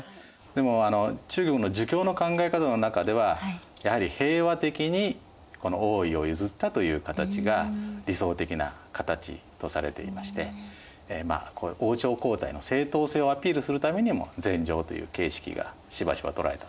でも中国の儒教の考え方の中ではやはり平和的に王位を譲ったという形が理想的な形とされていまして王朝交替の正当性をアピールするためにも禅譲という形式がしばしばとられたわけですね。